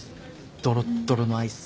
ドロドロのアイス。